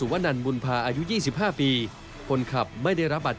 จากนั้นรถก็เสียหลักตกลงข้างทาง